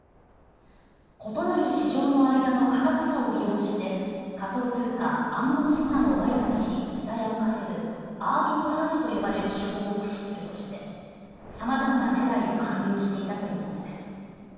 異なる市場の間の価格差を利用して仮想通貨・暗号資産を売買し、利ざやを稼ぐ、アービトラージと呼ばれる手法を駆使するとしてさまざまな世代を勧誘していたということです。